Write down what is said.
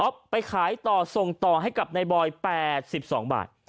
ไปขายต่อส่งต่อให้กับนายบอย๘๒บาท